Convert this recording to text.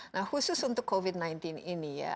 nah khusus untuk covid sembilan belas ini ya